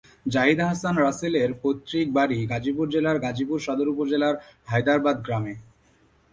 জাহিদ আহসান রাসেলের পৈতৃক বাড়ি গাজীপুর জেলার গাজীপুর সদর উপজেলার হায়দরাবাদ গ্রামে।